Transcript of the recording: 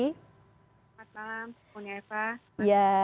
selamat malam pemilu efa